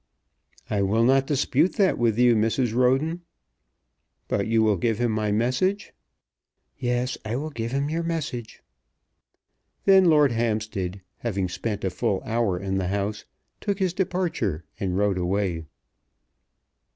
"I will not dispute that with you, Mrs. Roden. But you will give him my message?" "Yes; I will give him your message." Then Lord Hampstead, having spent a full hour in the house, took his departure and rode away.